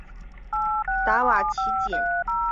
达瓦齐仅带少数人仓皇南逃。